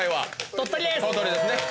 鳥取ですね